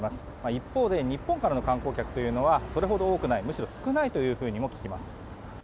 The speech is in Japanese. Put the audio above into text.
一方で日本からの観光客というのはそれほど多くないむしろ少ないとも聞きます。